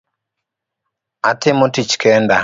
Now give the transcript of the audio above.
Atimo tich kenda.